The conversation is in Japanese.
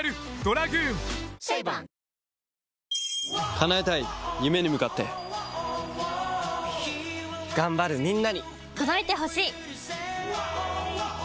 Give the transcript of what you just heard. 叶えたい夢に向かって頑張るみんなに届いてほしい！